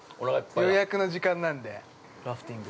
予約の時間なんで、ラフティング。